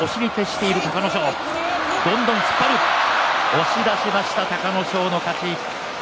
押し出しました隆の勝の勝ちです。